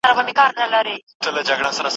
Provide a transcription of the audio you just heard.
كوم خوشال به لړزوي په كټ كي زړونه